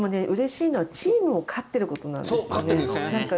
うれしいのはチームも勝っていることなんですよね。